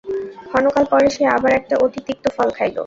ক্ষণকাল পরে সে আবার একটা অতি তিক্ত ফল খাইল।